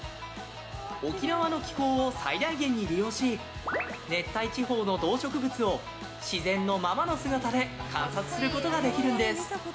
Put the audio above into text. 沖縄の気候を最大限に利用し熱帯地方の動植物を自然のままの姿で観察することができるんです。